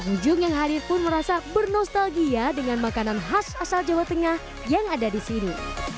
pengunjung yang hadir pun merasa bernostalgia dengan makanan khas asal jawa tengah yang ada di sini